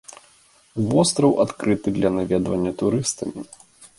Востраў адкрыты для наведвання турыстамі.